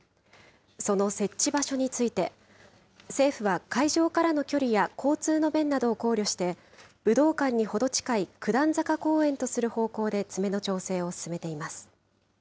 その設置場所について、政府は、会場からの距離や交通の便などを考慮して、武道館にほど近い、九段坂公園とする方向で詰めの調整を進めています。